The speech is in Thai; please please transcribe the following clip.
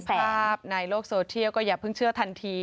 เมื่อที่เห็นภาพในโลกโซเที่ยวก็อย่าเพิ่งเชื่อทันที